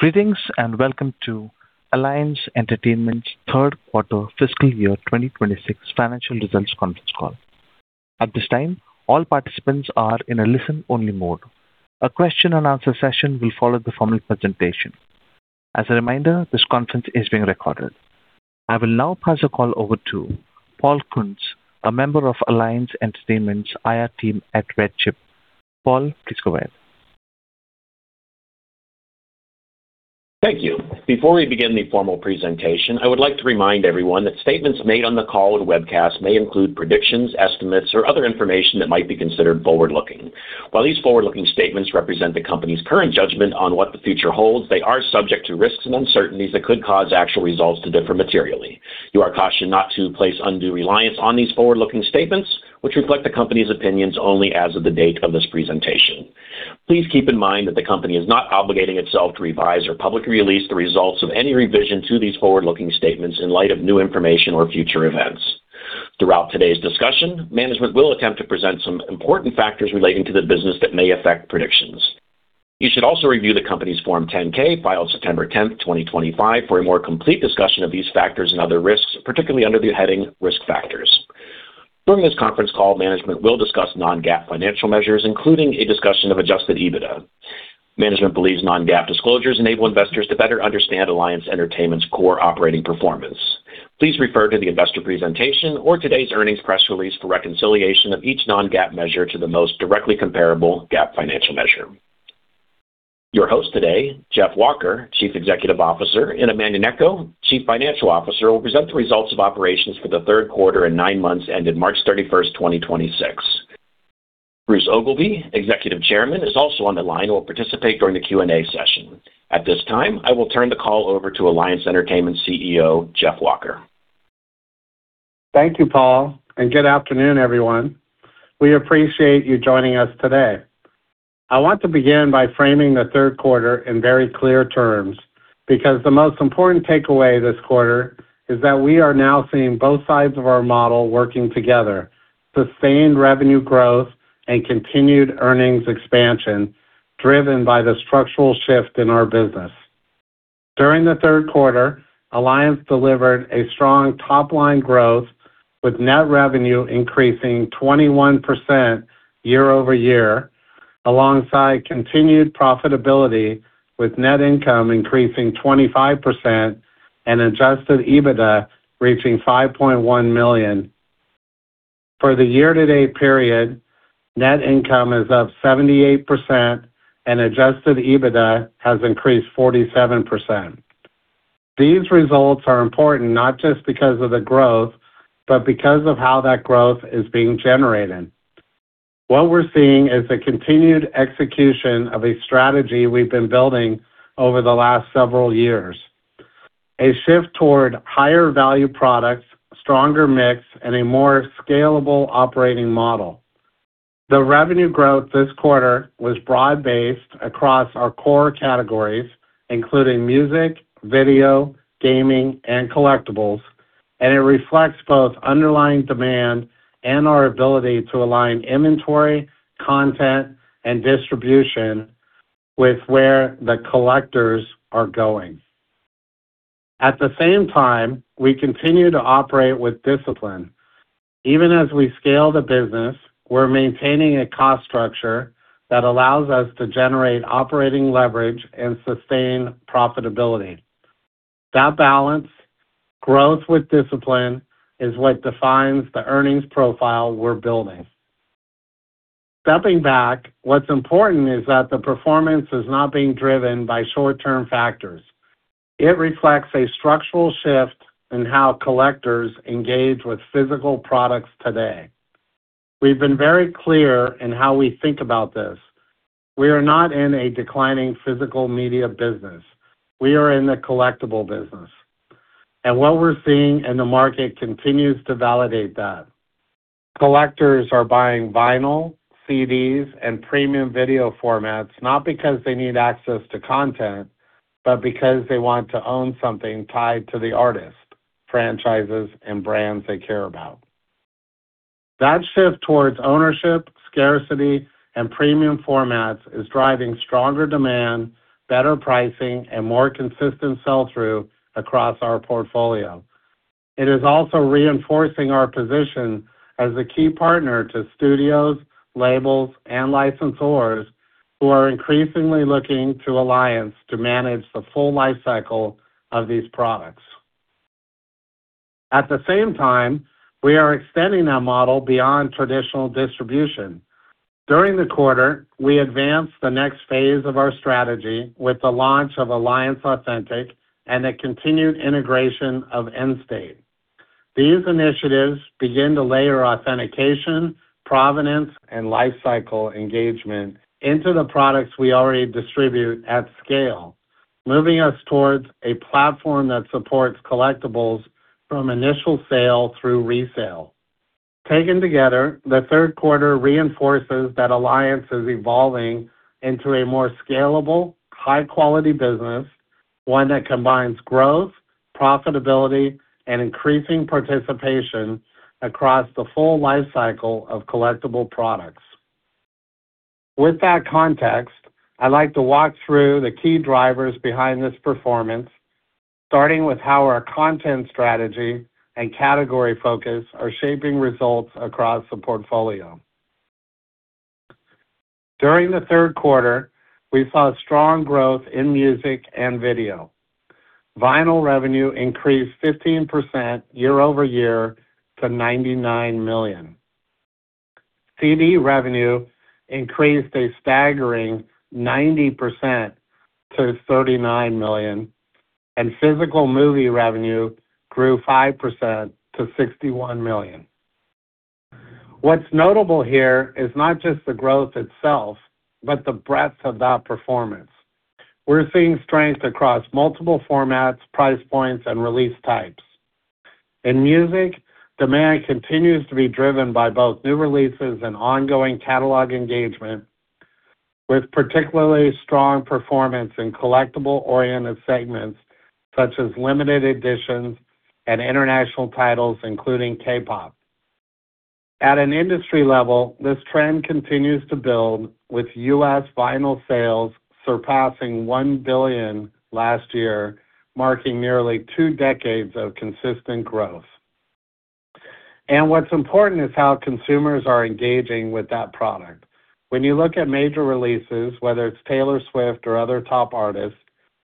Greetings, and welcome to Alliance Entertainment's third quarter fiscal year 2026 financial results conference call. At this time, all participants are in a listen-only mode. A question and answer session will follow the formal presentation. As a reminder, this conference is being recorded. I will now pass the call over to Paul Kuntz, a member of Alliance Entertainment's IR team at RedChip. Paul, please go ahead. Thank you. Before we begin the formal presentation, I would like to remind everyone that statements made on the call or webcast may include predictions, estimates, or other information that might be considered forward-looking. While these forward-looking statements represent the company's current judgment on what the future holds, they are subject to risks and uncertainties that could cause actual results to differ materially. You are cautioned not to place undue reliance on these forward-looking statements, which reflect the company's opinions only as of the date of this presentation. Please keep in mind that the company is not obligating itself to revise or publicly release the results of any revision to these forward-looking statements in light of new information or future events. Throughout today's discussion, management will attempt to present some important factors relating to the business that may affect predictions. You should also review the company's Form 10-K, filed September 10, 2025, for a more complete discussion of these factors and other risks, particularly under the heading Risk Factors. During this conference call, management will discuss non-GAAP financial measures, including a discussion of adjusted EBITDA. Management believes non-GAAP disclosures enable investors to better understand Alliance Entertainment's core operating performance. Please refer to the investor presentation or today's earnings press release for reconciliation of each non-GAAP measure to the most directly comparable GAAP financial measure. Your host today, Jeff Walker, Chief Executive Officer, and Amanda Gnecco, Chief Financial Officer, will present the results of operations for the third quarter and nine months ended March 31, 2026. Bruce Ogilvie, Executive Chairman, is also on the line and will participate during the Q&A session. At this time, I will turn the call over to Alliance Entertainment CEO, Jeff Walker. Thank you, Paul. Good afternoon, everyone. We appreciate you joining us today. I want to begin by framing the third quarter in very clear terms because the most important takeaway this quarter is that we are now seeing both sides of our model working together, sustained revenue growth and continued earnings expansion driven by the structural shift in our business. During the third quarter, Alliance delivered strong top-line growth with net revenue increasing 21% year-over-year alongside continued profitability, with net income increasing 25% and adjusted EBITDA reaching $5.1 million. For the year-to-date period, net income is up 78% and adjusted EBITDA has increased 47%. These results are important not just because of the growth, but because of how that growth is being generated. What we're seeing is the continued execution of a strategy we've been building over the last several years. A shift toward higher value products, stronger mix, and a more scalable operating model. The revenue growth this quarter was broad-based across our core categories, including music, video, gaming, and collectibles, and it reflects both underlying demand and our ability to align inventory, content, and distribution with where the collectors are going. At the same time, we continue to operate with discipline. Even as we scale the business, we're maintaining a cost structure that allows us to generate operating leverage and sustain profitability. That balance, growth with discipline, is what defines the earnings profile we're building. Stepping back, what's important is that the performance is not being driven by short-term factors. It reflects a structural shift in how collectors engage with physical products today. We've been very clear in how we think about this. We are not in a declining physical media business. We are in the collectible business. What we're seeing in the market continues to validate that. Collectors are buying vinyl, CDs, and premium video formats not because they need access to content, but because they want to own something tied to the artist, franchises, and brands they care about. That shift towards ownership, scarcity, and premium formats is driving stronger demand, better pricing, and more consistent sell-through across our portfolio. It is also reinforcing our position as a key partner to studios, labels, and licensors who are increasingly looking to Alliance to manage the full lifecycle of these products. At the same time, we are extending our model beyond traditional distribution. During the quarter, we advanced the next phase of our strategy with the launch of Alliance Authentic and the continued integration of Endstate. These initiatives begin to layer authentication, provenance, and lifecycle engagement into the products we already distribute at scale, moving us towards a platform that supports collectibles from initial sale through resale. Taken together, the third quarter reinforces that Alliance is evolving into a more scalable, high-quality business, one that combines growth, profitability, and increasing participation across the full lifecycle of collectible products. With that context, I'd like to walk through the key drivers behind this performance, starting with how our content strategy and category focus are shaping results across the portfolio. During the third quarter, we saw strong growth in music and video. Vinyl revenue increased 15% year-over-year to $99 million. CD revenue increased a staggering 90% to $39 million, and physical movie revenue grew 5% to $61 million. What's notable here is not just the growth itself, but the breadth of that performance. We're seeing strength across multiple formats, price points, and release types. In music, demand continues to be driven by both new releases and ongoing catalog engagement, with particularly strong performance in collectible-oriented segments such as limited editions and international titles, including K-pop. At an industry level, this trend continues to build, with U.S. vinyl sales surpassing $1 billion last year, marking nearly two decades of consistent growth. What's important is how consumers are engaging with that product. When you look at major releases, whether it's Taylor Swift or other top artists,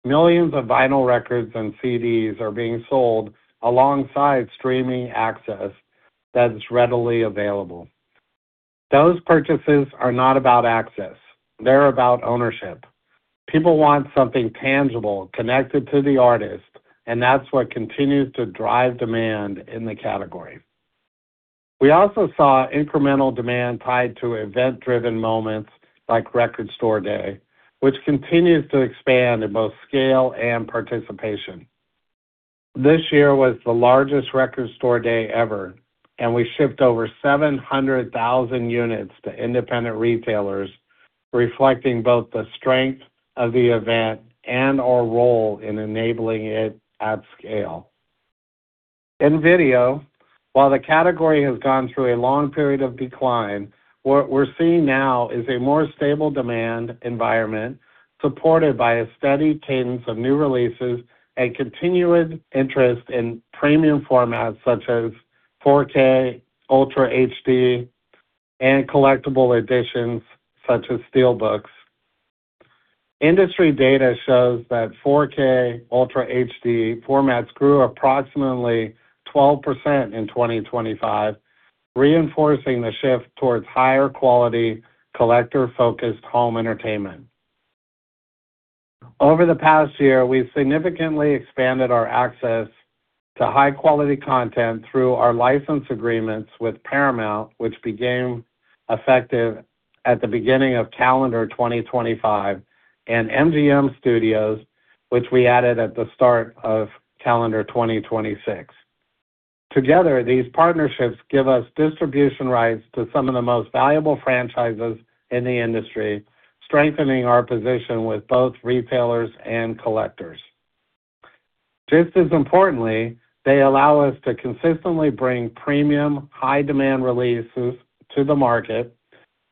millions of vinyl records and CDs are being sold alongside streaming access that is readily available. Those purchases are not about access, they're about ownership. People want something tangible connected to the artist, and that's what continues to drive demand in the category. We also saw incremental demand tied to event-driven moments like Record Store Day, which continues to expand in both scale and participation. This year was the largest Record Store Day ever, and we shipped over 700,000 units to independent retailers, reflecting both the strength of the event and our role in enabling it at scale. In video, while the category has gone through a long period of decline, what we're seeing now is a more stable demand environment supported by a steady cadence of new releases and continuous interest in premium formats such as 4K Ultra HD, and collectible editions such as SteelBooks. Industry data shows that 4K Ultra HD formats grew approximately 12% in 2025, reinforcing the shift towards higher quality collector-focused home entertainment. Over the past year, we've significantly expanded our access to high-quality content through our license agreements with Paramount, which became effective at the beginning of calendar 2025, and MGM Studios, which we added at the start of calendar 2026. Together, these partnerships give us distribution rights to some of the most valuable franchises in the industry, strengthening our position with both retailers and collectors. Just as importantly, they allow us to consistently bring premium, high-demand releases to the market,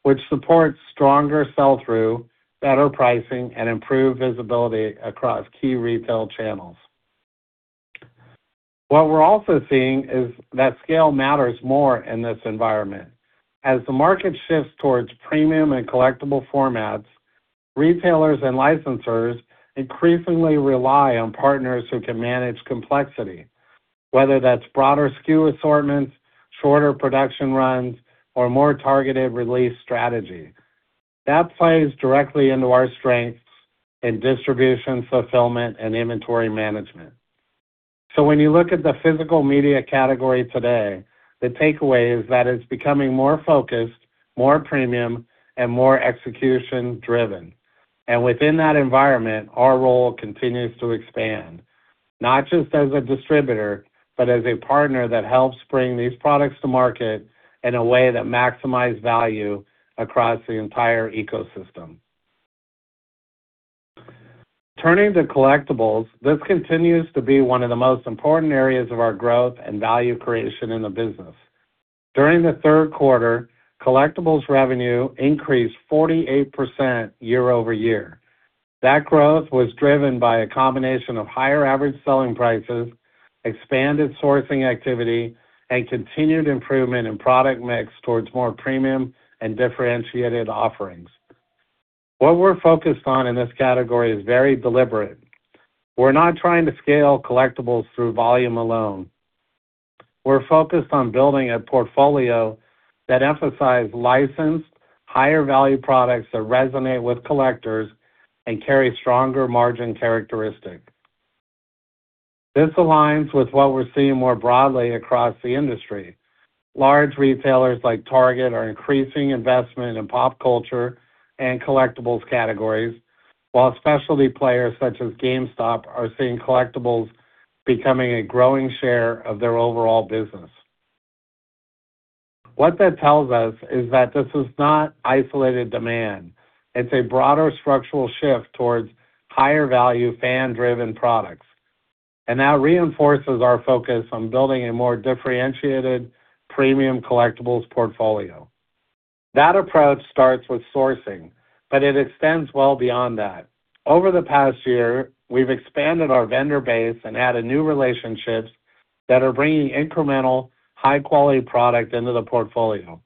which supports stronger sell-through, better pricing, and improved visibility across key retail channels. What we're also seeing is that scale matters more in this environment. As the market shifts towards premium and collectible formats, retailers and licensors increasingly rely on partners who can manage complexity, whether that's broader SKU assortments, shorter production runs, or more targeted release strategy. That plays directly into our strengths in distribution, fulfillment, and inventory management. When you look at the physical media category today, the takeaway is that it's becoming more focused, more premium, and more execution-driven. Within that environment, our role continues to expand, not just as a distributor, but as a partner that helps bring these products to market in a way that maximize value across the entire ecosystem. Turning to collectibles, this continues to be one of the most important areas of our growth and value creation in the business. During the third quarter, collectibles revenue increased 48% year-over-year. That growth was driven by a combination of higher average selling prices, expanded sourcing activity, and continued improvement in product mix towards more premium and differentiated offerings. What we're focused on in this category is very deliberate. We're not trying to scale collectibles through volume alone. We're focused on building a portfolio that emphasize licensed higher-value products that resonate with collectors and carry stronger margin characteristics. This aligns with what we're seeing more broadly across the industry. Large retailers like Target are increasing investment in pop culture and collectibles categories, while specialty players such as GameStop are seeing collectibles becoming a growing share of their overall business. What that tells us is that this is not isolated demand. It's a broader structural shift towards higher-value, fan-driven products. That reinforces our focus on building a more differentiated premium collectibles portfolio. That approach starts with sourcing, but it extends well beyond that. Over the past year, we've expanded our vendor base and added new relationships that are bringing incremental high-quality product into the portfolio.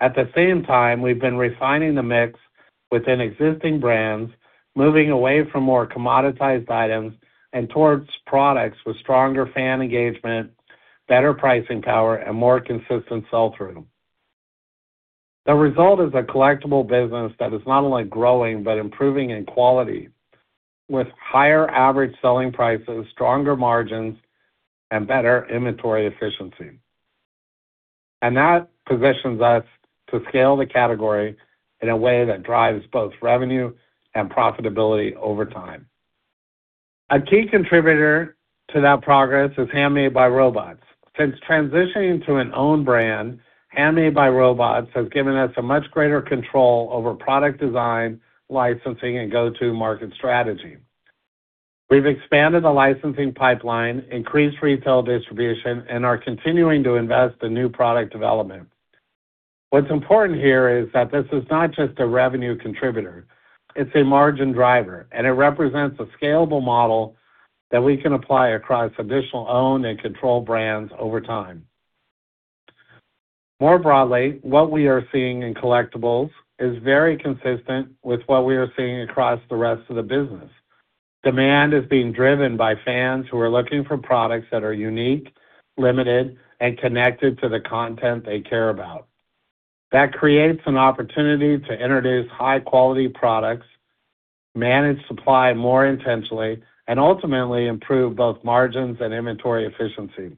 At the same time, we've been refining the mix within existing brands, moving away from more commoditized items and towards products with stronger fan engagement, better pricing power, and more consistent sell-through. The result is a collectible business that is not only growing but improving in quality, with higher average selling prices, stronger margins, and better inventory efficiency. That positions us to scale the category in a way that drives both revenue and profitability over time. A key contributor to that progress is Handmade by Robots. Since transitioning to an own brand, Handmade by Robots has given us a much greater control over product design, licensing, and go-to-market strategy. We've expanded the licensing pipeline, increased retail distribution, and are continuing to invest in new product development. What's important here is that this is not just a revenue contributor, it's a margin driver, and it represents a scalable model that we can apply across additional own and control brands over time. More broadly, what we are seeing in collectibles is very consistent with what we are seeing across the rest of the business. Demand is being driven by fans who are looking for products that are unique, limited, and connected to the content they care about. That creates an opportunity to introduce high-quality products, manage supply more intentionally, and ultimately improve both margins and inventory efficiency.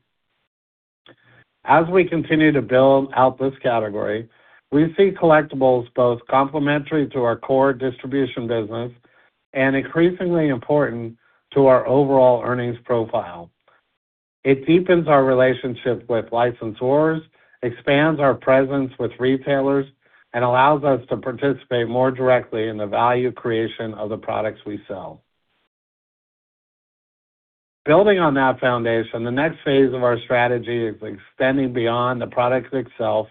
As we continue to build out this category, we see collectibles both complementary to our core distribution business and increasingly important to our overall earnings profile. It deepens our relationship with licensors, expands our presence with retailers, and allows us to participate more directly in the value creation of the products we sell. Building on that foundation, the next phase of our strategy is extending beyond the product itself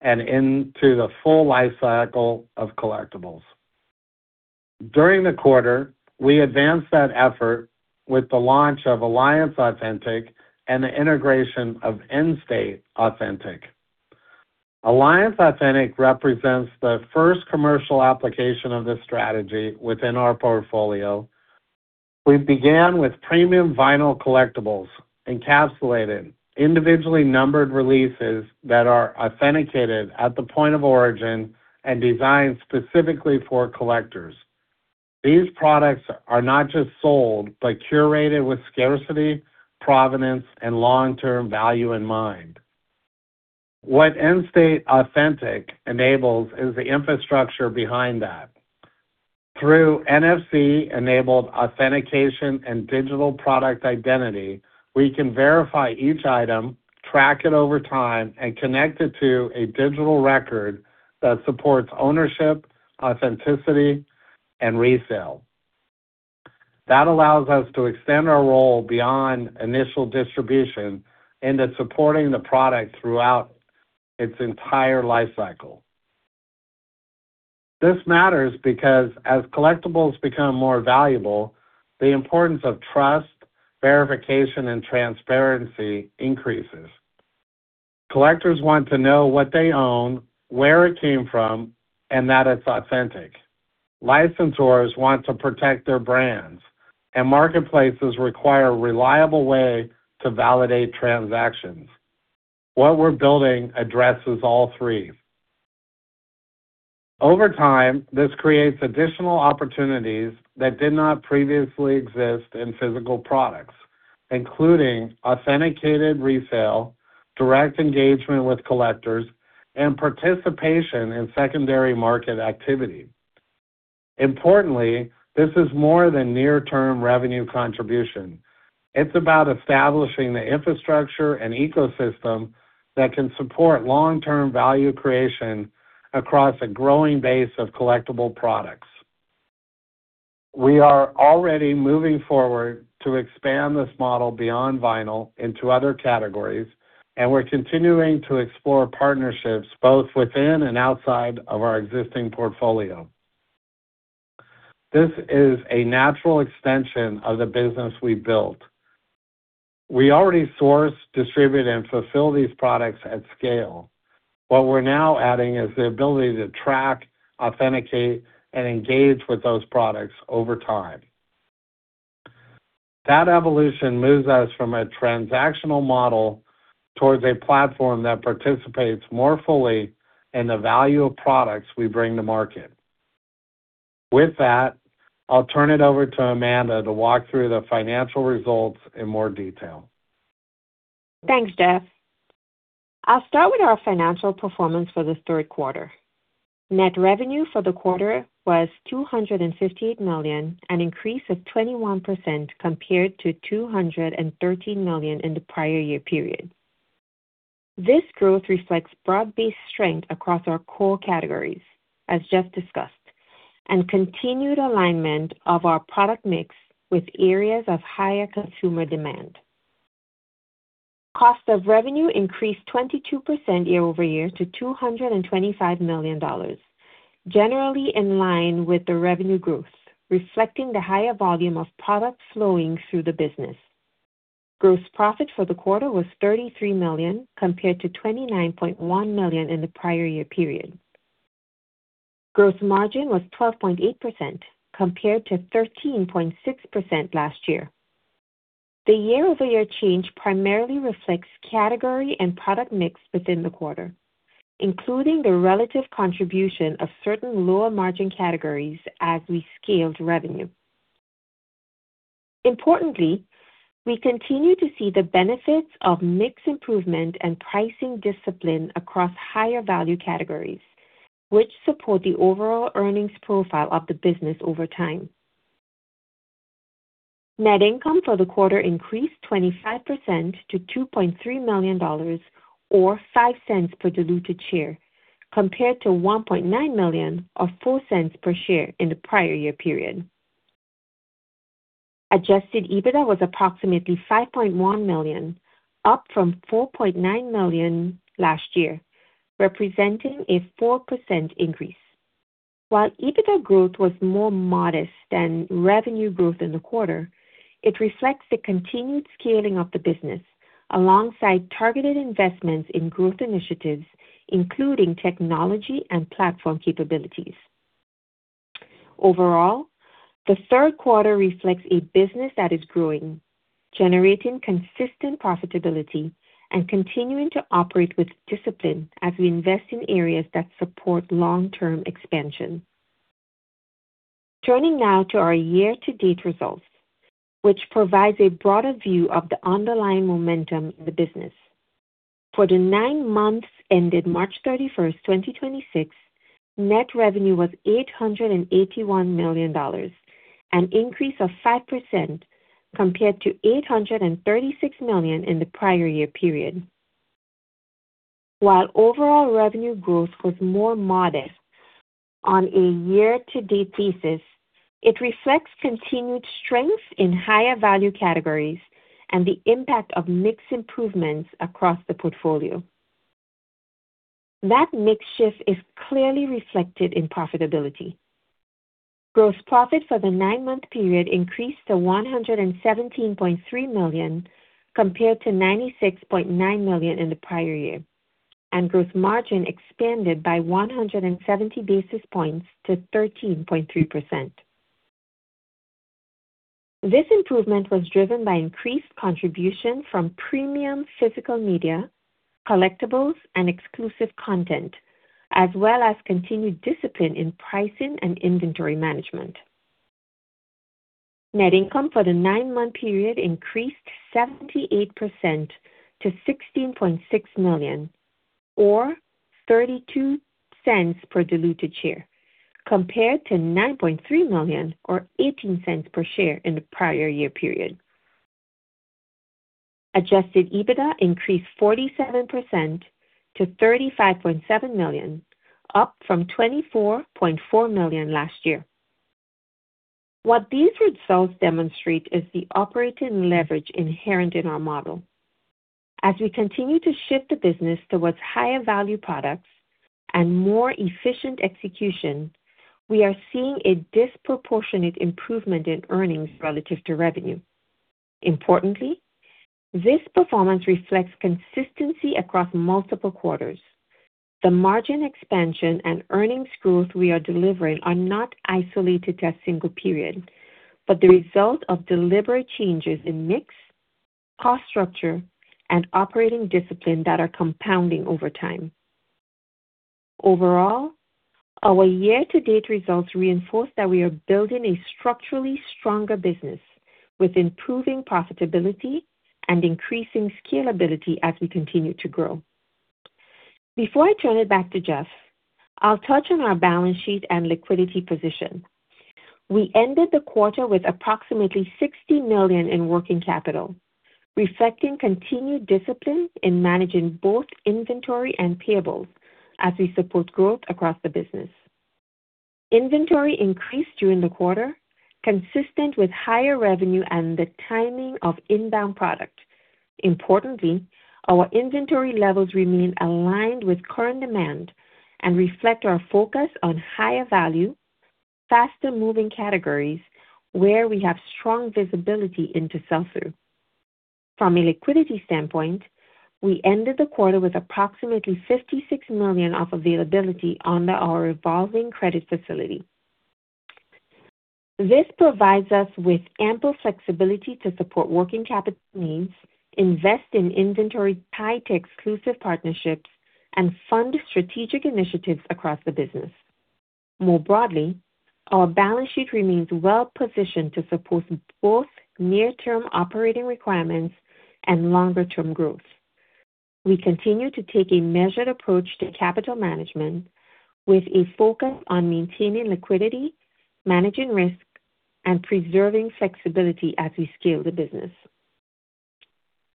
and into the full life cycle of collectibles. During the quarter, we advanced that effort with the launch of Alliance Authentic and the integration of Endstate Authentic. Alliance Authentic represents the first commercial application of this strategy within our portfolio. We began with premium vinyl collectibles, encapsulated individually numbered releases that are authenticated at the point of origin and designed specifically for collectors. These products are not just sold, but curated with scarcity, provenance, and long-term value in mind. What Endstate Authentic enables is the infrastructure behind that. Through NFC-enabled authentication and digital product identity, we can verify each item, track it over time, and connect it to a digital record that supports ownership, authenticity, and resale. That allows us to extend our role beyond initial distribution into supporting the product throughout its entire life cycle. This matters because as collectibles become more valuable, the importance of trust, verification, and transparency increases. Collectors want to know what they own, where it came from, and that it's authentic. Licensors want to protect their brands, and marketplaces require a reliable way to validate transactions. What we're building addresses all three. Over time, this creates additional opportunities that did not previously exist in physical products, including authenticated resale, direct engagement with collectors, and participation in secondary market activity. Importantly, this is more than near-term revenue contribution. It's about establishing the infrastructure and ecosystem that can support long-term value creation across a growing base of collectible products. We are already moving forward to expand this model beyond vinyl into other categories. We're continuing to explore partnerships both within and outside of our existing portfolio. This is a natural extension of the business we built. We already source, distribute, and fulfill these products at scale. What we're now adding is the ability to track, authenticate, and engage with those products over time. That evolution moves us from a transactional model towards a platform that participates more fully in the value of products we bring to market. With that, I'll turn it over to Amanda to walk through the financial results in more detail. Thanks, Jeff. I'll start with our financial performance for the third quarter. Net revenue for the quarter was $258 million, an increase of 21% compared to $213 million in the prior year period. This growth reflects broad-based strength across our core categories, as Jeff discussed, and continued alignment of our product mix with areas of higher consumer demand. Cost of revenue increased 22% year-over-year to $225 million, generally in line with the revenue growth, reflecting the higher volume of products flowing through the business. Gross profit for the quarter was $33 million, compared to $29.1 million in the prior year period. Gross margin was 12.8% compared to 13.6% last year. The year-over-year change primarily reflects category and product mix within the quarter, including the relative contribution of certain lower margin categories as we scaled revenue. Importantly, we continue to see the benefits of mix improvement and pricing discipline across higher value categories, which support the overall earnings profile of the business over time. Net income for the quarter increased 25% to $2.3 million or $0.05 per diluted share, compared to $1.9 million or $0.04 per share in the prior year period. Adjusted EBITDA was approximately $5.1 million, up from $4.9 million last year, representing a 4% increase. While EBITDA growth was more modest than revenue growth in the quarter, it reflects the continued scaling of the business alongside targeted investments in growth initiatives, including technology and platform capabilities. Overall, the third quarter reflects a business that is growing, generating consistent profitability and continuing to operate with discipline as we invest in areas that support long-term expansion. Turning now to our year-to-date results, which provides a broader view of the underlying momentum in the business. For the nine months ended March 31, 2026, net revenue was $881 million, an increase of 5% compared to $836 million in the prior year period. While overall revenue growth was more modest on a year-to-date basis, it reflects continued strength in higher value categories and the impact of mix improvements across the portfolio. That mix shift is clearly reflected in profitability. Gross profit for the nine-month period increased to $117.3 million compared to $96.9 million in the prior year, and gross margin expanded by 170 basis points to 13.3%. This improvement was driven by increased contribution from premium physical media, collectibles and exclusive content, as well as continued discipline in pricing and inventory management. Net income for the nine-month period increased 78% to $16.6 million or $0.32 per diluted share, compared to $9.3 million or $0.18 per share in the prior year period. Adjusted EBITDA increased 47% to $35.7 million, up from $24.4 million last year. What these results demonstrate is the operating leverage inherent in our model. As we continue to shift the business towards higher value products and more efficient execution, we are seeing a disproportionate improvement in earnings relative to revenue. Importantly, this performance reflects consistency across multiple quarters. The margin expansion and earnings growth we are delivering are not isolated to a single period, but the result of deliberate changes in mix, cost structure and operating discipline that are compounding over time. Overall, our year-to-date results reinforce that we are building a structurally stronger business with improving profitability and increasing scalability as we continue to grow. Before I turn it back to Jeff, I'll touch on our balance sheet and liquidity position. We ended the quarter with approximately $60 million in working capital, reflecting continued discipline in managing both inventory and payables as we support growth across the business. Inventory increased during the quarter, consistent with higher revenue and the timing of inbound product. Importantly, our inventory levels remain aligned with current demand and reflect our focus on higher value, faster moving categories where we have strong visibility into sell-through. From a liquidity standpoint, we ended the quarter with approximately $56 million of availability under our revolving credit facility. This provides us with ample flexibility to support working capital needs, invest in inventory tied to exclusive partnerships, and fund strategic initiatives across the business. More broadly, our balance sheet remains well-positioned to support both near-term operating requirements and longer-term growth. We continue to take a measured approach to capital management with a focus on maintaining liquidity, managing risk and preserving flexibility as we scale the business.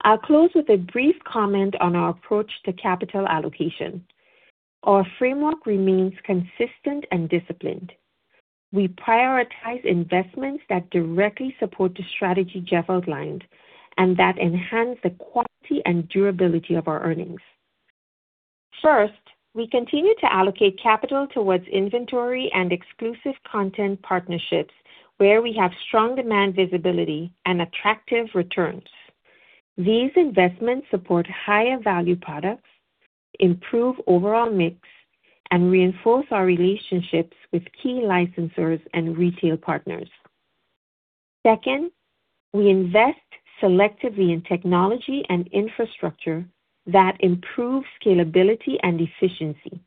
I'll close with a brief comment on our approach to capital allocation. Our framework remains consistent and disciplined. We prioritize investments that directly support the strategy Jeff outlined and that enhance the quality and durability of our earnings. First, we continue to allocate capital towards inventory and exclusive content partnerships where we have strong demand visibility and attractive returns. These investments support higher value products, improve overall mix, and reinforce our relationships with key licensors and retail partners. Second, we invest selectively in technology and infrastructure that improve scalability and efficiency.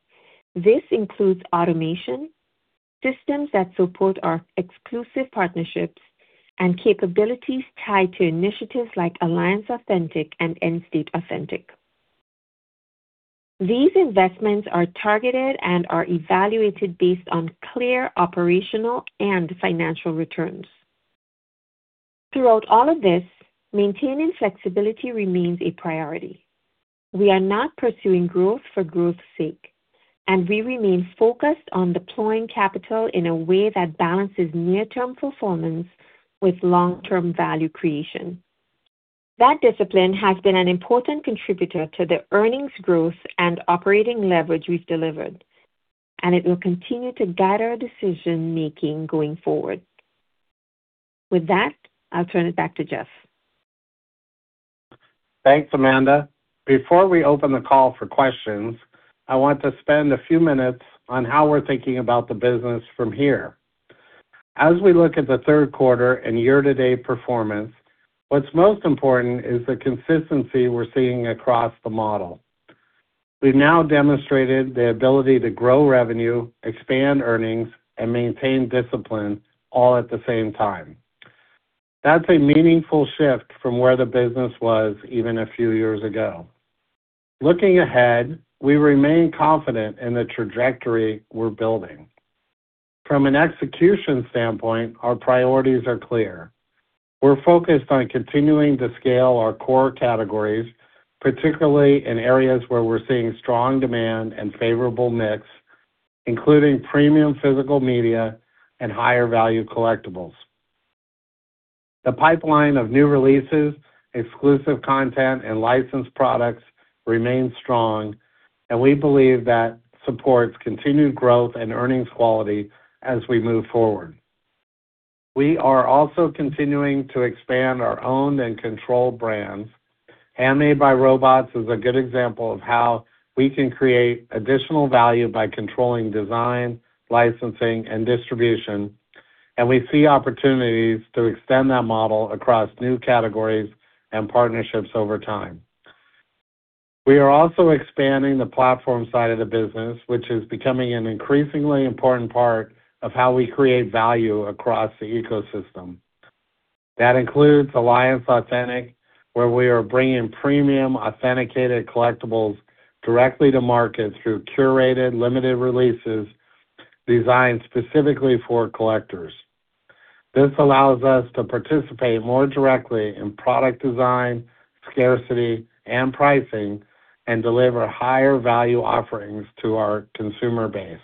This includes automation, systems that support our exclusive partnerships, and capabilities tied to initiatives like Alliance Authentic and Endstate Authentic. These investments are targeted and are evaluated based on clear operational and financial returns. Throughout all of this, maintaining flexibility remains a priority. We are not pursuing growth for growth's sake, and we remain focused on deploying capital in a way that balances near-term performance with long-term value creation. That discipline has been an important contributor to the earnings growth and operating leverage we've delivered, and it will continue to guide our decision-making going forward. With that, I'll turn it back to Jeff. Thanks, Amanda. Before we open the call for questions, I want to spend a few minutes on how we're thinking about the business from here. As we look at the third quarter and year-to-date performance, what's most important is the consistency we're seeing across the model. We've now demonstrated the ability to grow revenue, expand earnings, and maintain discipline all at the same time. That's a meaningful shift from where the business was even a few years ago. Looking ahead, we remain confident in the trajectory we're building. From an execution standpoint, our priorities are clear. We're focused on continuing to scale our core categories, particularly in areas where we're seeing strong demand and favorable mix, including premium physical media and higher value collectibles. The pipeline of new releases, exclusive content, and licensed products remains strong, and we believe that supports continued growth and earnings quality as we move forward. We are also continuing to expand our owned and controlled brands. Handmade by Robots is a good example of how we can create additional value by controlling design, licensing, and distribution, and we see opportunities to extend that model across new categories and partnerships over time. We are also expanding the platform side of the business, which is becoming an increasingly important part of how we create value across the ecosystem. That includes Alliance Authentic, where we are bringing premium authenticated collectibles directly to market through curated limited releases designed specifically for collectors. This allows us to participate more directly in product design, scarcity, and pricing and deliver higher value offerings to our consumer base.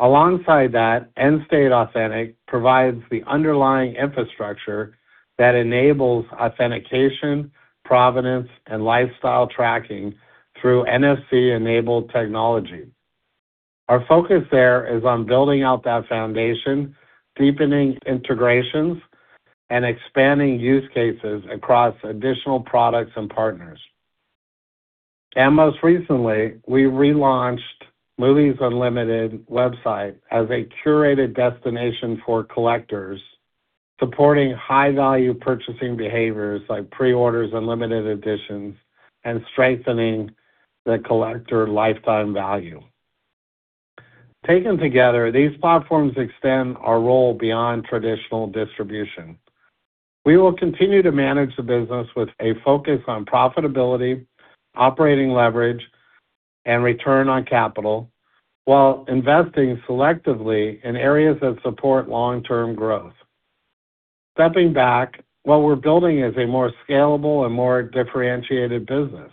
Alongside that, Endstate Authentic provides the underlying infrastructure that enables authentication, provenance, and lifestyle tracking through NFC-enabled technology. Our focus there is on building out that foundation, deepening integrations, and expanding use cases across additional products and partners. Most recently, we relaunched Movies Unlimited website as a curated destination for collectors, supporting high-value purchasing behaviors like preorders and limited editions, and strengthening the collector lifetime value. Taken together, these platforms extend our role beyond traditional distribution. We will continue to manage the business with a focus on profitability, operating leverage, and return on capital while investing selectively in areas that support long-term growth. Stepping back, what we're building is a more scalable and more differentiated business.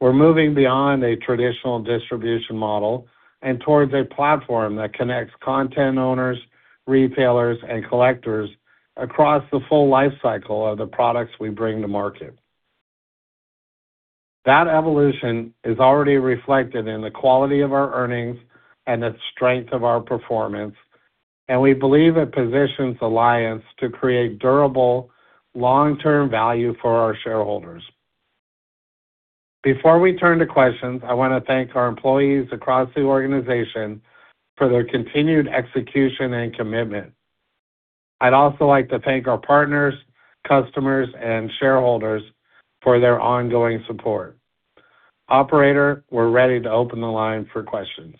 We're moving beyond a traditional distribution model and towards a platform that connects content owners, retailers, and collectors across the full life cycle of the products we bring to market. That evolution is already reflected in the quality of our earnings and the strength of our performance, and we believe it positions Alliance to create durable, long-term value for our shareholders. Before we turn to questions, I want to thank our employees across the organization for their continued execution and commitment. I'd also like to thank our partners, customers, and shareholders for their ongoing support. Operator, we're ready to open the line for questions.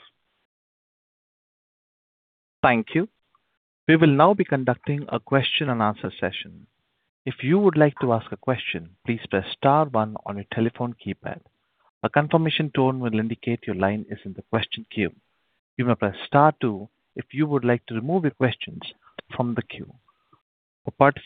The first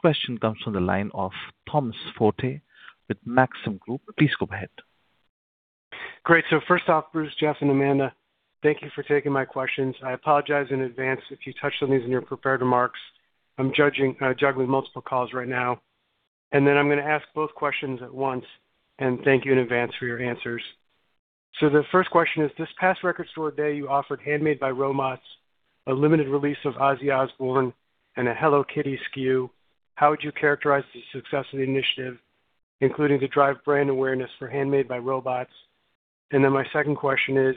question comes from the line of Tom Forte with Maxim Group. Please go ahead. Great. First off, Bruce, Jeff, and Amanda, thank you for taking my questions. I apologize in advance if you touched on these in your prepared remarks. I'm juggling multiple calls right now. Then I'm going to ask both questions at once, and thank you in advance for your answers. The first question is, this past Record Store Day, you offered Handmade by Robots, a limited release of Ozzy Osbourne, and a Hello Kitty SKU. How would you characterize the success of the initiative, including to drive brand awareness for Handmade by Robots? My second question is,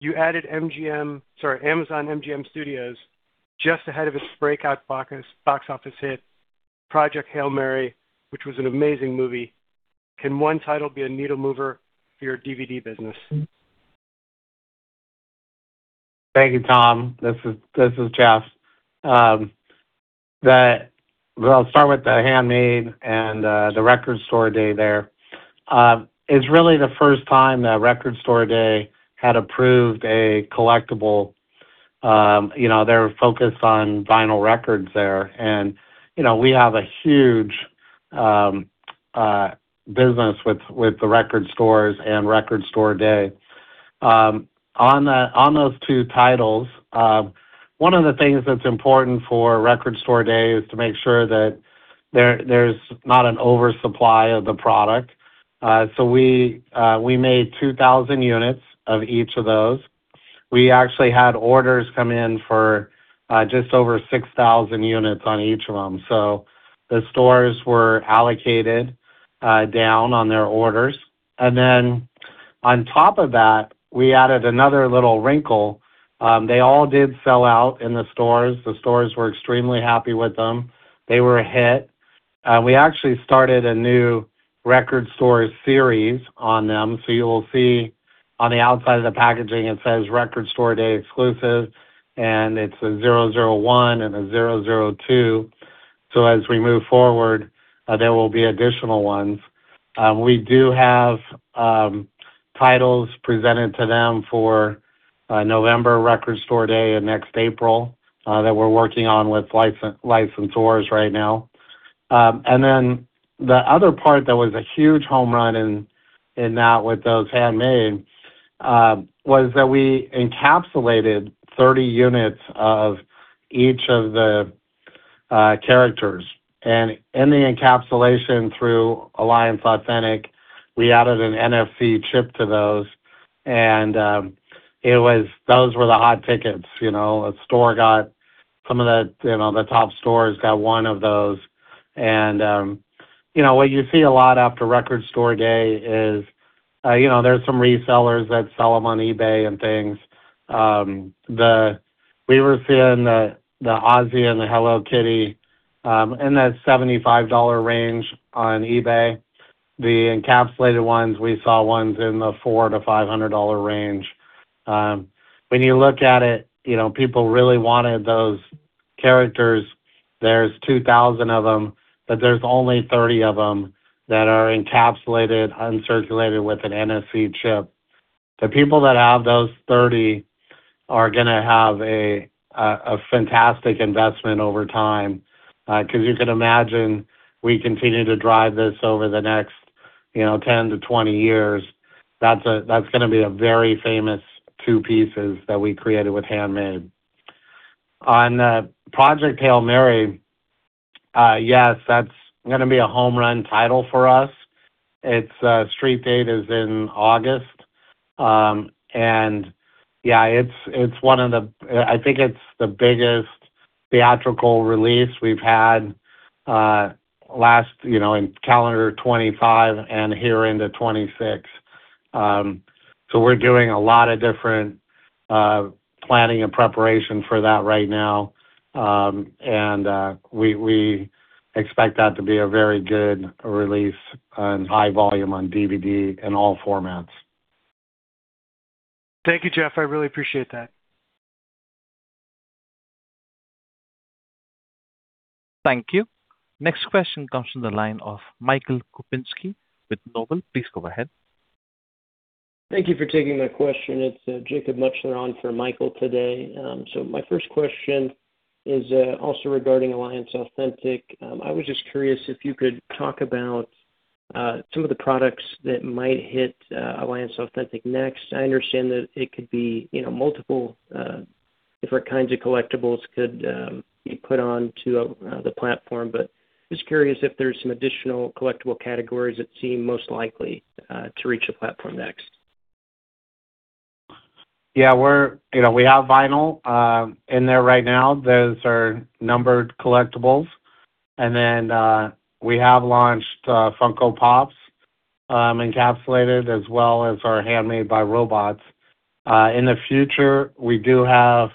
you added Amazon MGM Studios just ahead of its breakout box office hit, Project Hail Mary, which was an amazing movie. Can one title be a needle mover for your DVD business? Thank you, Tom. This is Jeff. Well, I'll start with the Handmade and the Record Store Day there. It's really the first time that Record Store Day had approved a collectible. You know, they're focused on vinyl records there and, you know, we have a huge business with the record stores and Record Store Day. On those two titles, one of the things that's important for Record Store Day is to make sure that there's not an oversupply of the product. We made 2,000 units of each of those. We actually had orders come in for just over 6,000 units on each of them. The stores were allocated down on their orders. On top of that, we added another little wrinkle. They all did sell out in the stores. The stores were extremely happy with them. They were a hit. We actually started a Record Store Day series on them. You will see on the outside of the packaging, it says, "Record Store Day exclusive," and it's a 001 and a 002. As we move forward, there will be additional ones. We do have titles presented to them for November Record Store Day and next April that we're working on with licensors right now. The other part that was a huge home run in that with those Handmade was that we encapsulated 30 units of each of the characters. In the encapsulation through Alliance Authentic, we added an NFC chip to those, and those were the hot tickets. You know, a store got some of the, you know, the top stores got one of those. You know what you see a lot after Record Store Day is, you know, there's some resellers that sell them on eBay and things. We were seeing the Ozzy and the Hello Kitty in that $75 range on eBay. The encapsulated ones, we saw ones in the $400-$500 range. When you look at it, you know, people really wanted those characters. There's 2,000 of them, but there's only 30 of them that are encapsulated, uncirculated with an NFC chip. The people that have those 30 are gonna have a fantastic investment over time, 'cause you can imagine we continue to drive this over the next, you know, 10-20 years. That's gonna be a very famous two pieces that we created with Handmade. On Project Hail Mary, yes, that's gonna be a home-run title for us. Its street date is in August. Yeah, it's one of the, I think it's the biggest theatrical release we've had, last, you know, in calendar 2025 and here into 2026. We're doing a lot of different planning and preparation for that right now. We expect that to be a very good release and high volume on DVD in all formats. Thank you, Jeff. I really appreciate that. Thank you. Next question comes from the line of Michael Kupinski with Noble. Please go ahead. Thank you for taking my question. It's Jacob Mutchler on for Michael today. My first question is also regarding Alliance Authentic. I was just curious if you could talk about some of the products that might hit Alliance Authentic next. I understand that it could be, you know, multiple different kinds of collectibles could be put onto the platform. Just curious if there's some additional collectible categories that seem most likely to reach the platform next. Yeah. You know, we have vinyl in there right now. Those are numbered collectibles. Then, we have launched Funko Pops encapsulated, as well as our Handmade by Robots. In the future, we do have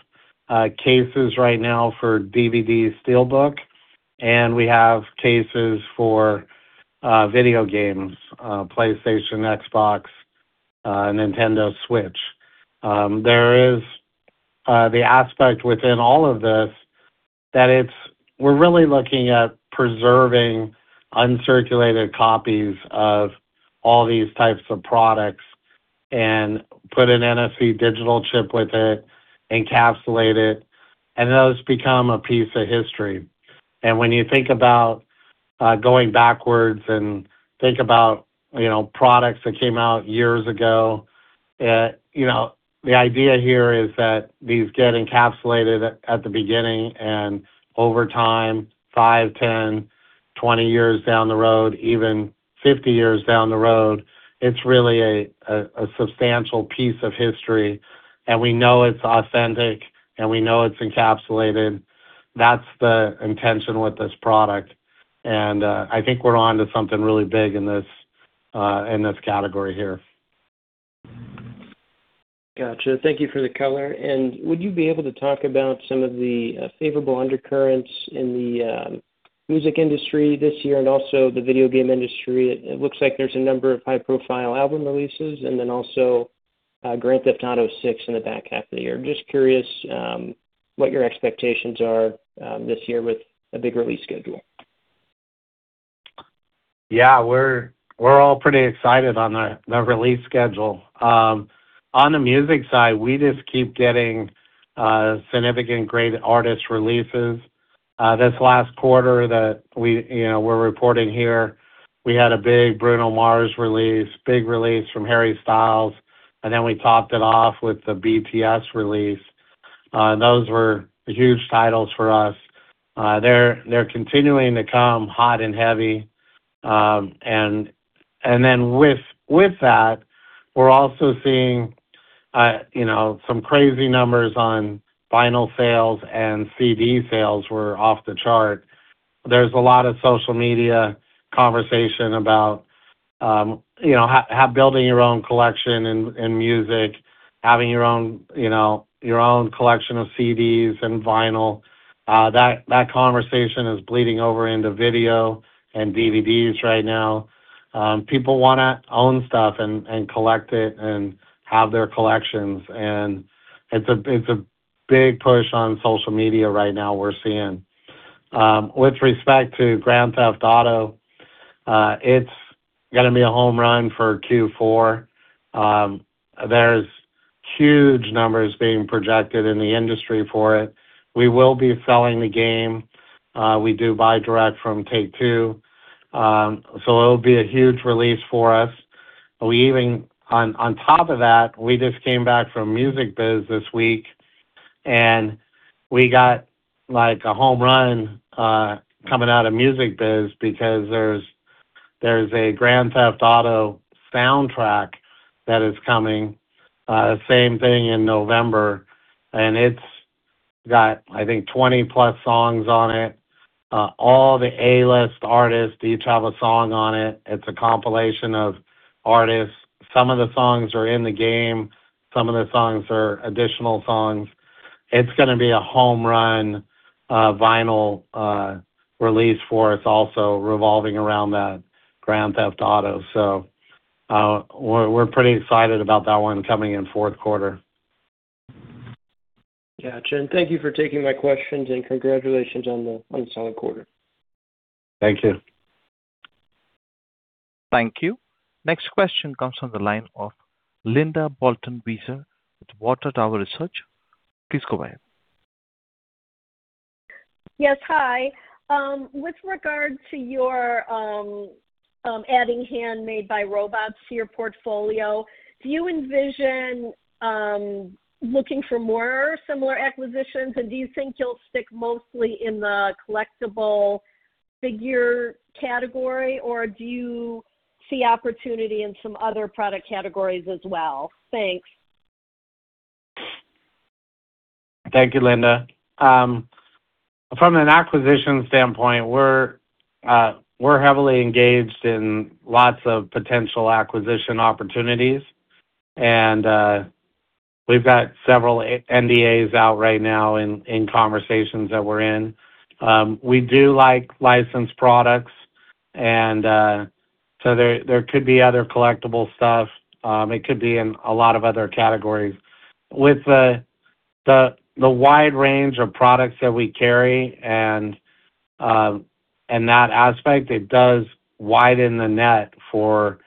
cases right now for DVD SteelBook, and we have cases for video games, PlayStation, Xbox, Nintendo Switch. There is the aspect within all of this that we're really looking at preserving uncirculated copies of all these types of products and put an NFC digital chip with it, encapsulate it, and those become a piece of history. When you think about going backwards and think about, you know, products that came out years ago, you know, the idea here is that these get encapsulated at the beginning and over time, five, 10, 20 years down the road, even 50 years down the road, it's really a substantial piece of history. We know it's authentic, and we know it's encapsulated. That's the intention with this product. I think we're onto something really big in this category here. Gotcha. Thank you for the color. Would you be able to talk about some of the favorable undercurrents in the music industry this year and also the video game industry? It looks like there's a number of high-profile album releases and then also Grand Theft Auto VI in the back half of the year. Just curious what your expectations are this year with a big release schedule. Yeah. We're all pretty excited on the release schedule. On the music side, we just keep getting significant great artist releases. This last quarter that we, you know, we're reporting here, we had a big Bruno Mars release, big release from Harry Styles, and then we topped it off with the BTS release. Those were huge titles for us. They're continuing to come hot and heavy. Then with that, we're also seeing, you know, some crazy numbers on vinyl sales and CD sales were off the chart. There's a lot of social media conversation about, you know, building your own collection in music, having your own collection of CDs and vinyl. That conversation is bleeding over into video and DVDs right now. People wanna own stuff and collect it and have their collections. It's a big push on social media right now we're seeing. With respect to Grand Theft Auto, it's gonna be a home run for Q4. There's huge numbers being projected in the industry for it. We will be selling the game. We do buy direct from Take-Two. It'll be a huge release for us. On top of that, we just came back from Music Biz this week, and we got like a home run coming out of Music Biz because there's a Grand Theft Auto soundtrack that is coming same thing in November, and it's got, I think, 20+ songs on it. All the A-list artists each have a song on it. It's a compilation of artists. Some of the songs are in the game. Some of the songs are additional songs. It's gonna be a home run vinyl release for us also revolving around that Grand Theft Auto. We're pretty excited about that one coming in fourth quarter. Gotcha. Thank you for taking my questions, and congratulations on a solid quarter. Thank you. Thank you. Next question comes from the line of Linda Bolton Weiser with Water Tower Research. Please go ahead. Yes. Hi. With regard to your adding Handmade by Robots to your portfolio, do you envision looking for more similar acquisitions? Do you think you'll stick mostly in the collectible figure category, or do you see opportunity in some other product categories as well? Thanks. Thank you, Linda. From an acquisition standpoint, we're heavily engaged in lots of potential acquisition opportunities. We've got several NDAs out right now in conversations that we're in. We do like licensed products, there could be other collectible stuff. It could be in a lot of other categories. With the wide range of products that we carry, that aspect, it does widen the net for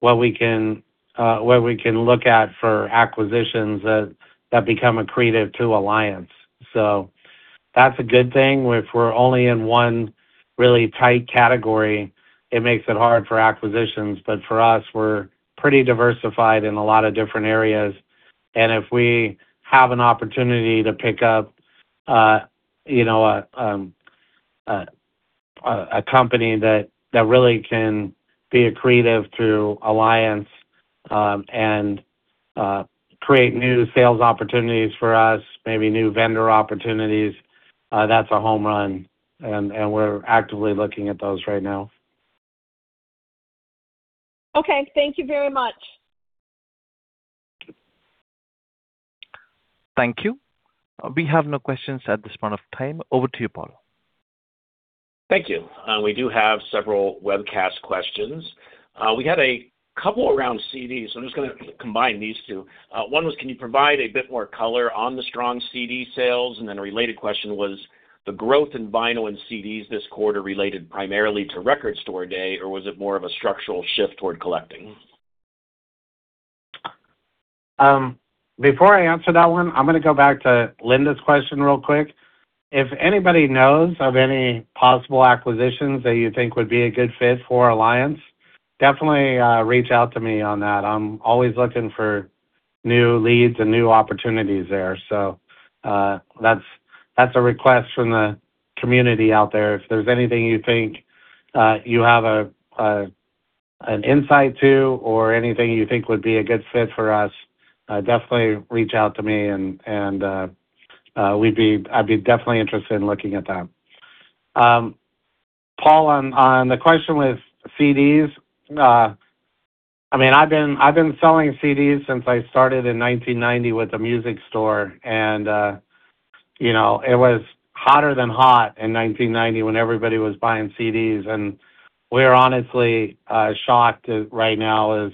what we can look at for acquisitions that become accretive to Alliance. That's a good thing. If we're only in one really tight category, it makes it hard for acquisitions. For us, we're pretty diversified in a lot of different areas. If we have an opportunity to pick up, you know, a company that really can be accretive to Alliance, and create new sales opportunities for us, maybe new vendor opportunities, that's a home run. We're actively looking at those right now. Okay. Thank you very much. Thank you. We have no questions at this point of time. Over to you, Paul. Thank you. We do have several webcast questions. We had a couple around CDs, so I'm just gonna combine these two. One was, can you provide a bit more color on the strong CD sales? A related question was, the growth in vinyl and CDs this quarter related primarily to Record Store Day, or was it more of a structural shift toward collecting? Before I answer that one, I'm gonna go back to Linda's question real quick. If anybody knows of any possible acquisitions that you think would be a good fit for Alliance, definitely reach out to me on that. I'm always looking for new leads and new opportunities there. That's a request from the community out there. If there's anything you think you have an insight to or anything you think would be a good fit for us, definitely reach out to me and I'd be definitely interested in looking at that. Paul, on the question with CDs, I mean, I've been selling CDs since I started in 1990 with a music store and, you know, it was hotter than hot in 1990 when everybody was buying CDs. We're honestly shocked right now is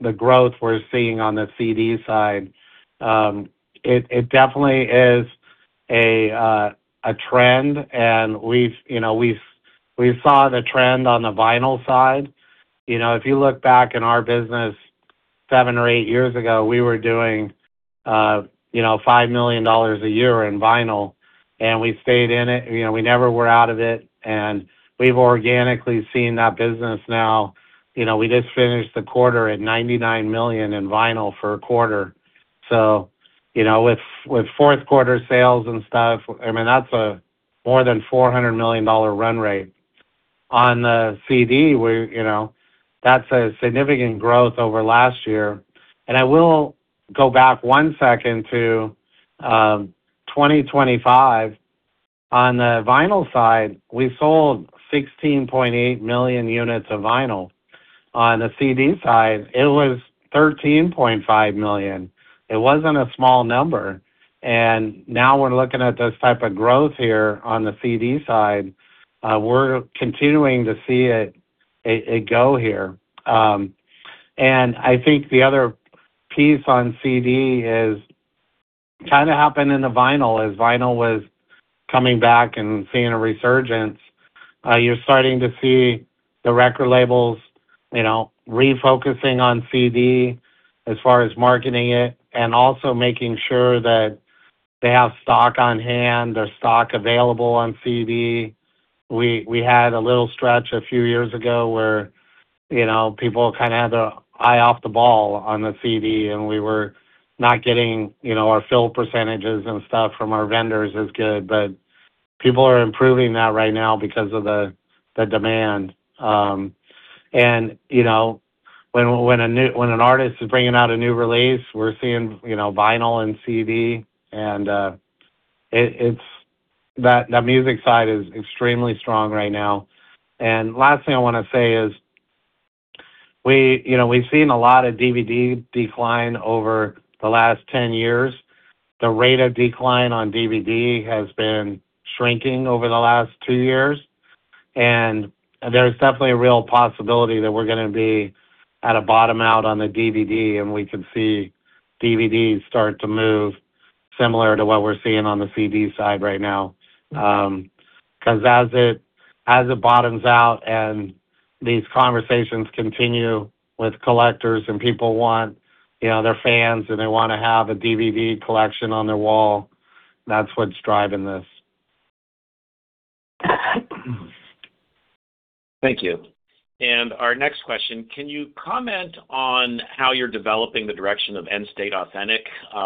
the growth we're seeing on the CD side. It definitely is a trend, and we've, you know, we saw the trend on the vinyl side. You know, if you look back in our business seven or eight years ago, we were doing, you know, $5 million a year in vinyl, and we stayed in it. You know, we never were out of it. We've organically seen that business now. You know, we just finished the quarter at $99 million in vinyl for a quarter. You know, with fourth quarter sales and stuff, I mean, that's a more than $400 million run rate. On the CD, we, you know, that's a significant growth over last year. I will go back one second to 2025. On the vinyl side, we sold 16.8 million units of vinyl. On the CD side, it was 13.5 million. It wasn't a small number. Now we're looking at this type of growth here on the CD side. We're continuing to see it go here. I think the other piece on CD is kinda happened in the vinyl. As vinyl was coming back and seeing a resurgence, you're starting to see the record labels, you know, refocusing on CD as far as marketing it and also making sure that they have stock on hand or stock available on CD. We had a little stretch a few years ago where, you know, people kinda had their eye off the ball on the CD, we were not getting, you know, our fill percentage and stuff from our vendors as good. People are improving that right now because of the demand. You know, when an artist is bringing out a new release, we're seeing, you know, vinyl and CD, that music side is extremely strong right now. Last thing I wanna say is we, you know, we've seen a lot of DVD decline over the last 10 years. The rate of decline on DVD has been shrinking over the last two years. There's definitely a real possibility that we're gonna be at a bottom out on the DVD, and we could see DVDs start to move similar to what we're seeing on the CD side right now. 'Cause as it bottoms out and these conversations continue with collectors and people want, you know, their fans, and they wanna have a DVD collection on their wall, that's what's driving this. Thank you. Our next question: Can you comment on how you're developing the direction of Endstate Authentic?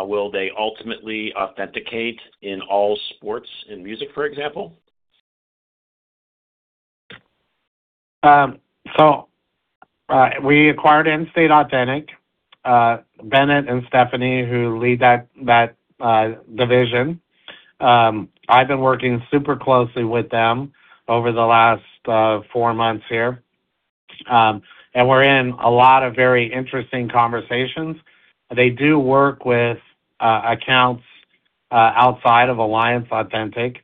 Will they ultimately authenticate in all sports and music, for example? We acquired Endstate Authentic. Bennett and Stephanie, who lead that division, I've been working super closely with them over the last four months here. We're in a lot of very interesting conversations. They do work with accounts outside of Alliance Authentic,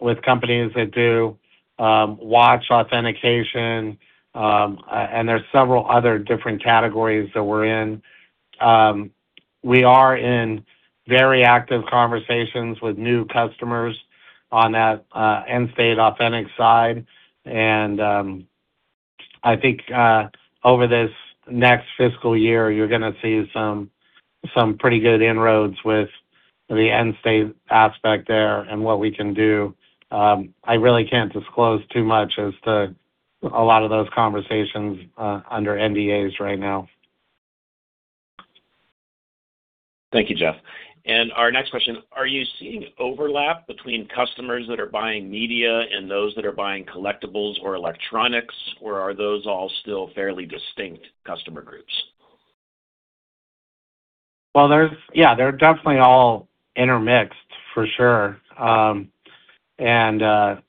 with companies that do watch authentication, and there are several other different categories that we're in. We are in very active conversations with new customers on that Endstate Authentic side. I think over this next fiscal year, you're gonna see some pretty good inroads with the Endstate aspect there and what we can do. I really can't disclose too much as to a lot of those conversations under NDAs right now. Thank you, Jeff. Our next question: Are you seeing overlap between customers that are buying media and those that are buying collectibles or electronics, or are those all still fairly distinct customer groups? Well, Yeah, they're definitely all intermixed, for sure. There's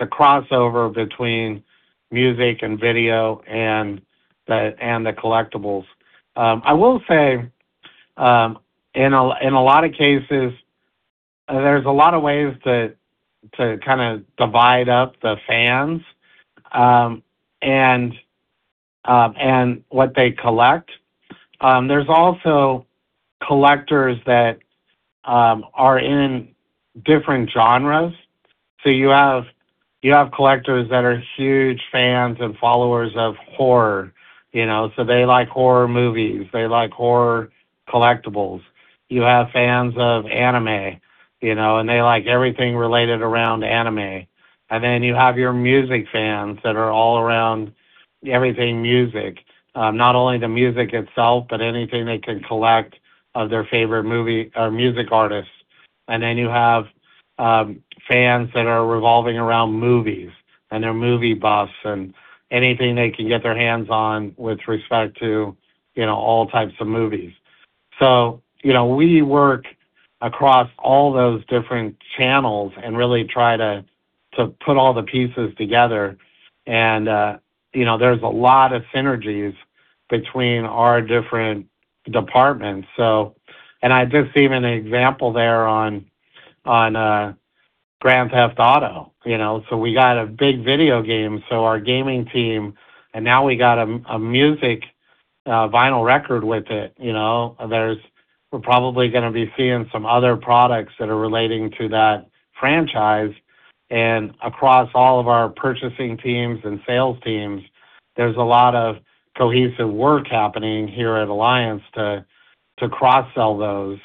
a crossover between music and video and the collectibles. I will say, in a lot of cases, there's a lot of ways to kinda divide up the fans and what they collect. There's also collectors that are in different genres. You have collectors that are huge fans and followers of horror, you know. They like horror movies, they like horror collectibles. You have fans of anime, you know, and they like everything related around anime. You have your music fans that are all around everything music, not only the music itself, but anything they can collect of their favorite movie or music artists. Then you have fans that are revolving around movies, and they're movie buffs and anything they can get their hands on with respect to, you know, all types of movies. You know, we work across all those different channels and really try to put all the pieces together. There's a lot of synergies between our different departments. I just see even an example there on Grand Theft Auto, you know. We got a big video game, so our gaming team, and now we got a music vinyl record with it, you know. We're probably gonna be seeing some other products that are relating to that franchise. Across all of our purchasing teams and sales teams, there's a lot of cohesive work happening here at Alliance to cross-sell those.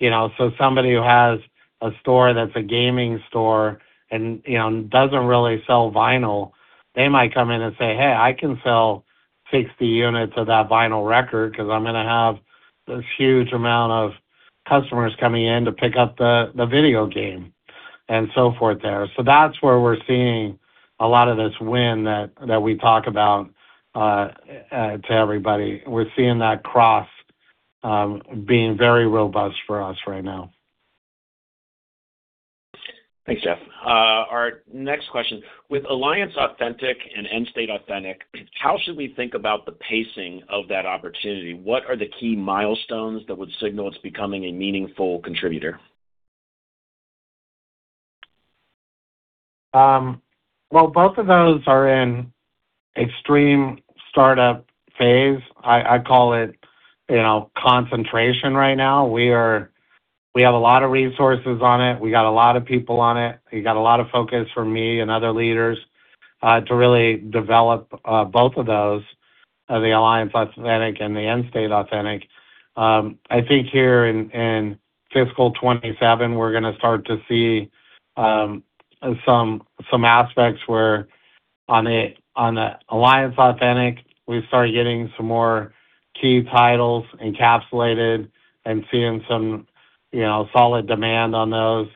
You know, somebody who has a store that's a gaming store and, you know, doesn't really sell vinyl, they might come in and say, "Hey, I can sell 60 units of that vinyl record 'cause I'm gonna have this huge amount of customers coming in to pick up the video game," and so forth there. That's where we're seeing a lot of this win that we talk about to everybody. We're seeing that cross being very robust for us right now. Thanks, Jeff. Our next question: With Alliance Authentic and Endstate Authentic, how should we think about the pacing of that opportunity? What are the key milestones that would signal it's becoming a meaningful contributor? Well, both of those are in extreme startup phase. I call it, you know, concentration right now. We have a lot of resources on it. We got a lot of people on it. We got a lot of focus from me and other leaders to really develop both of those, the Alliance Authentic and the Endstate Authentic. I think here in fiscal 2027, we're gonna start to see some aspects where on a Alliance Authentic, we start getting some more key titles encapsulated and seeing some, you know, solid demand on those.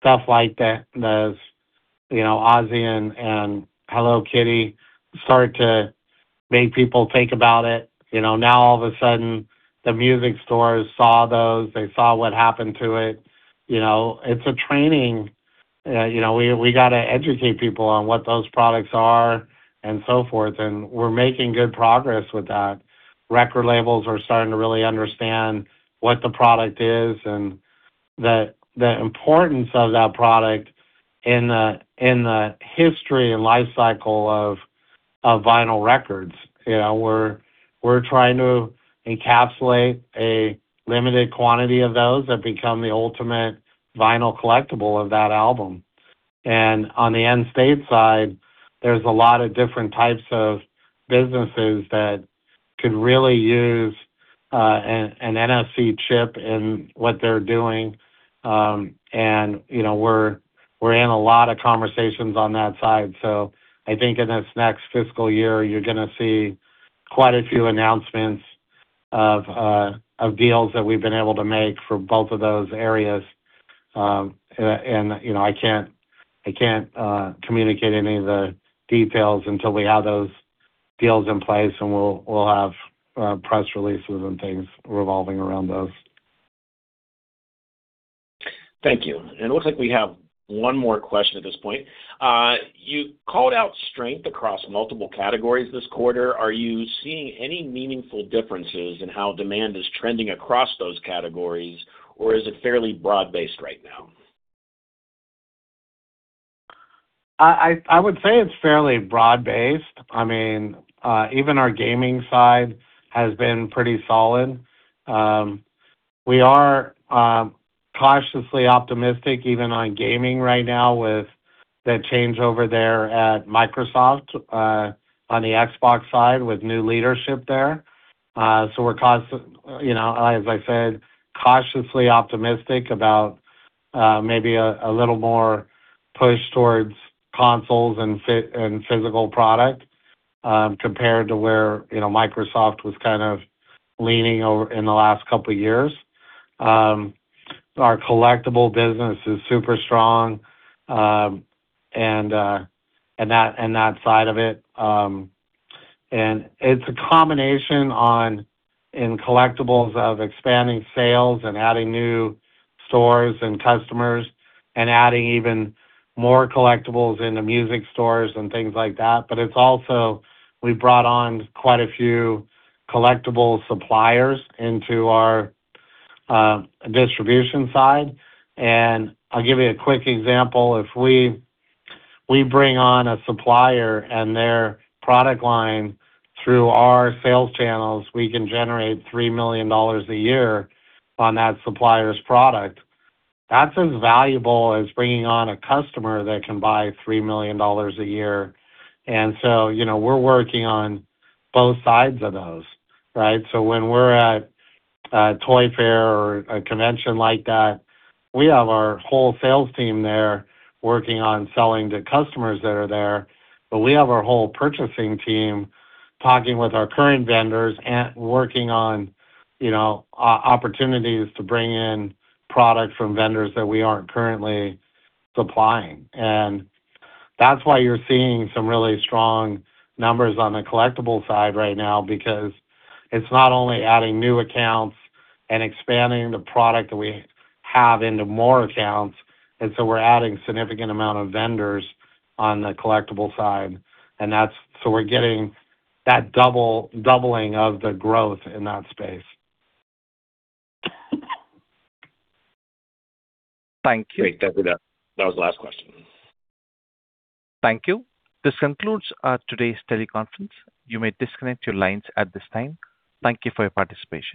Stuff like the, you know, Ozzy and Hello Kitty start to make people think about it. You know, now all of a sudden, the music stores saw those. They saw what happened to it. You know, it's a training. You know, we gotta educate people on what those products are, and so forth, and we're making good progress with that. Record labels are starting to really understand what the product is and the importance of that product in the, in the history and life cycle of vinyl records. You know, we're trying to encapsulate a limited quantity of those that become the ultimate vinyl collectible of that album. On the Endstate side, there's a lot of different types of businesses that could really use NFC chip in what they're doing. You know, we're in a lot of conversations on that side. I think in this next fiscal year, you're gonna see quite a few announcements of deals that we've been able to make for both of those areas. You know, I can't communicate any of the details until we have those deals in place, and we'll have press releases and things revolving around those. Thank you. It looks like we have one more question at this point. You called out strength across multiple categories this quarter. Are you seeing any meaningful differences in how demand is trending across those categories, or is it fairly broad-based right now? I would say it's fairly broad-based. I mean, even our gaming side has been pretty solid. We are cautiously optimistic even on gaming right now with the changeover there at Microsoft on the Xbox side with new leadership there. We're, you know, as I said, cautiously optimistic about maybe a little more push towards consoles and physical product compared to where, you know, Microsoft was kind of leaning in the last couple of years. Our collectible business is super strong, and that side of it. And it's a combination in collectibles of expanding sales and adding new stores and customers and adding even more collectibles in the music stores and things like that. It's also, we brought on quite a few collectibles suppliers into our distribution side. I'll give you a quick example. If we bring on a supplier and their product line through our sales channels, we can generate $3 million a year on that supplier's product. That's as valuable as bringing on a customer that can buy $3 million a year. So, you know, we're working on both sides of those, right? When we're at a toy fair or a convention like that, we have our whole sales team there working on selling to customers that are there. We have our whole purchasing team talking with our current vendors and working on, you know, opportunities to bring in product from vendors that we aren't currently supplying. That's why you're seeing some really strong numbers on the collectible side right now because it's not only adding new accounts and expanding the product that we have into more accounts, and so we're adding significant amount of vendors on the collectible side. We're getting that doubling of the growth in that space. Great. That'd be that. That was the last question. Thank you. This concludes today's teleconference. You may disconnect your lines at this time. Thank you for your participation.